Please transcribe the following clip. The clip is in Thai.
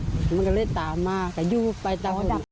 เพราะไม่เคยถามลูกสาวนะว่าไปทำธุรกิจแบบไหนอะไรยังไง